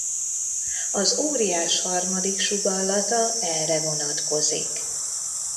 Az óriás harmadik sugallata erre vonatkozik.